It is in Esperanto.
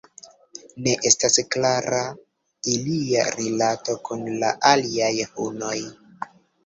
Ne estas klara ilia rilato kun la aliaj hunoj.